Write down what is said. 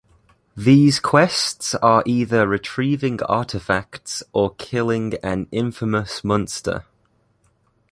These quests are either retrieving artifacts or killing an infamous monster.